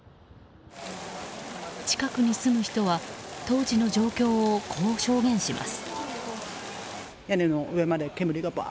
近くに住む人は当時の状況をこう証言します。